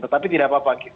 tetapi tidak apa apa